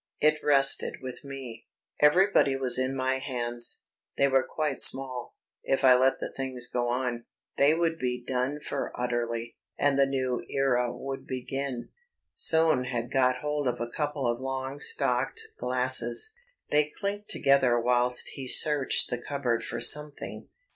It rested with me. Everybody was in my hands; they were quite small. If I let the thing go on, they would be done for utterly, and the new era would begin. Soane had got hold of a couple of long stalked glasses. They clinked together whilst he searched the cupboard for something.